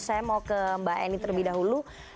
saya mau ke mbak eni terlebih dahulu